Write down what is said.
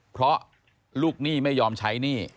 เพราะลูกหนี้ไม่ยอมใช้หนี้